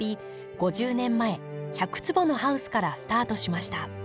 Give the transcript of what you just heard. ５０年前１００坪のハウスからスタートしました。